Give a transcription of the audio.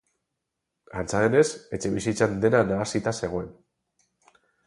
Antza denez, etxebizitzan dena nahasita zegoen.